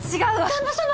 旦那様！